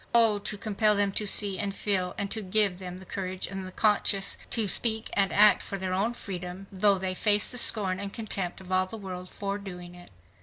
O to compel them to see and feel and to give them the courage and the conscience to speak and act for their own freedom, though they face the scorn and contempt of all the world for doing it!"